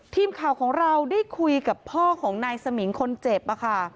ทีมข่าวของเราได้คุยกับพ่อของนายสมิงคนเจ็บค่ะ